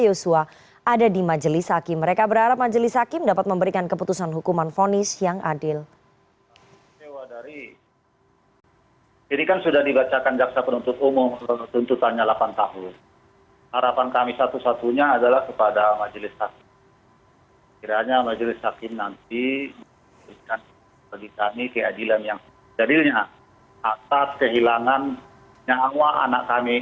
rosti mengaku kecewa dan sedih lantaran tuntutan tersebut dianggap terlalu ringan